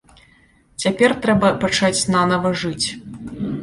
Цяпер трэба пачаць нанава жыць.